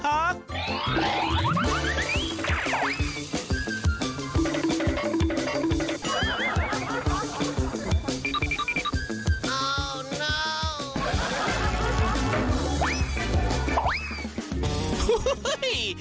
อ้าวน้าว